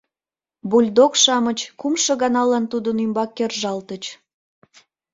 Бульдог-шамыч кумшо ганалан тудын ӱмбак кержалтыч.